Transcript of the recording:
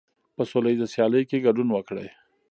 په سوله ییزه سیالۍ کې ګډون وکړئ.